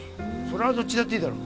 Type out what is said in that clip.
それはどっちだっていいだろ。